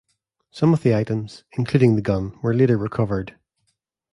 Some of the items, including the gun, were later recovered.